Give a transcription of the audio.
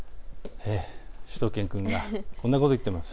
しゅと犬くんがこんなことを言ってます。